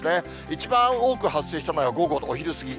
一番多く発生したのが午後のお昼過ぎ。